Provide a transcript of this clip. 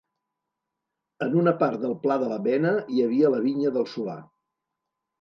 En una part del pla de la Bena hi havia la Vinya del Solà.